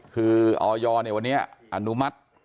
คือออยวันนี้อนุมัติ